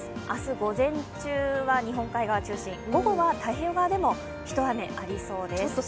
明日午前中は日本海側中心、午後は太平洋側でも一雨あります。